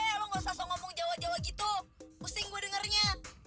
ada apa cahyu udah ngomong jawa jawa gitu pusing gue dengernya